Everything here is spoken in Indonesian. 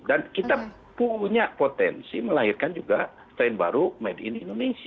dan kita punya potensi melahirkan juga strain baru made in indonesia